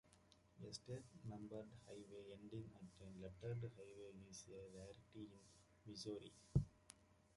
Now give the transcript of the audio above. A state numbered highway ending at a lettered highway is a rarity in Missouri.